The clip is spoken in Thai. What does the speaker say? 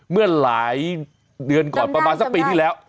เมื่อหลายเดือนก่อนประมาณสักปีที่แล้ว